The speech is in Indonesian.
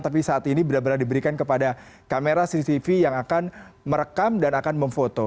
tapi saat ini benar benar diberikan kepada kamera cctv yang akan merekam dan akan memfoto